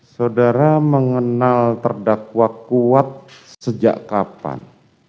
saudara mengenal terdakwa kuat sejak kapan